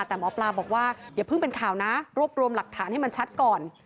แต่หมอปลาบอกว่าอย่าเพิ่งเป็นข่าวนะรวบรวมหลักฐานให้มันชัดก่อน